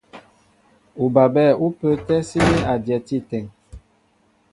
Ubabɛ̂ ú pə́ə́tɛ́ síní a dyɛti áteŋ.